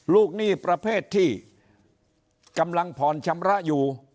หนี้ประเภทที่กำลังผ่อนชำระอยู่